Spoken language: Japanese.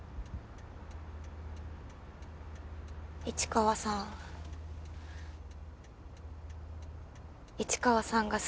市川さん。